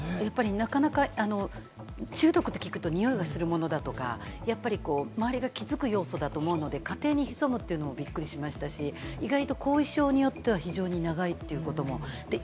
なかなか、中毒って聞くと、においがするものとか、周りが気づく要素だと思うので、家庭に潜むというのも、びっくりしましたし、意外と、後遺症によっては長いということも。